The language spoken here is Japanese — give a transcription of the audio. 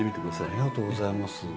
ありがとうございます。